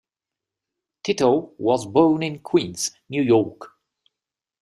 Tito was born in Queens, New York.